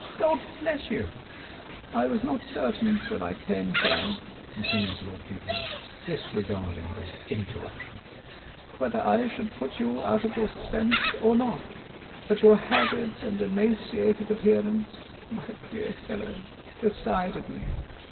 "God bless you !" "I was not certain, when I came here," continued Lord Peebles, disregarding this interruption, "whether I should put you out of your suspense or not, but your haggard and emaciated appearance, my dear fellow, decided me.